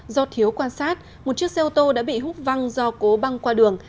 do thiếu quan sát một chiếc xe ô tô đã bị hút văng do cố băng qua đường